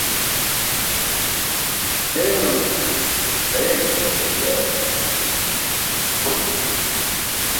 Eemanas ayeemanasar damjaar.